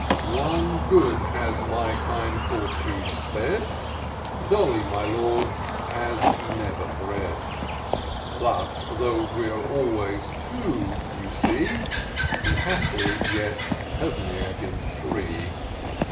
One good has my kind fortune sped ; Dolly, my Lord, has never bred. Thus, though we're always two, you see, We haply yet have ne'er been three.